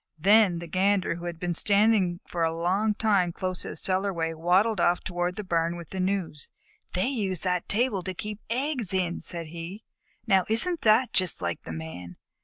Then the Gander, who had been standing for a long time close to the cellarway, waddled off toward the barn with the news. "They use that table to keep eggs in," said he. "Now isn't that just like the Man?